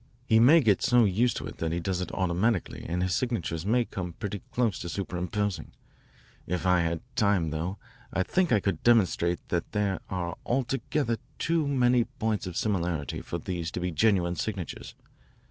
He may get so used to it that he does it automatically and his signatures may come pretty close to superimposing. If I had time, though, I think I could demonstrate that there are altogether too many points of similarity for these to be genuine signatures.